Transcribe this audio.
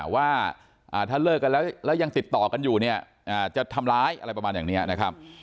ว่าถ้าเลิกกันแล้วยังติดต่อกันอยู่เนี่ยจะทำร้ายอะไรประมาณอย่างนี้นะครับ